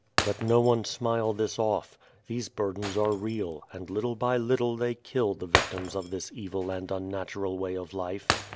Let no one smile this off. These burdens are real, and little by little they kill the victims of this evil and unnatural way of life.